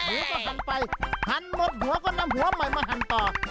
หูก็หันไปหันหมดหัวก็นำหัวใหม่มาหั่นต่อ